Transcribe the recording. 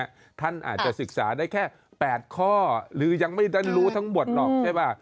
ท่านอาจจะศึกษาได้แค่๘ข้อหรือยังไม่ได้รู้ทั้งหมดหรอกใช่ป่ะ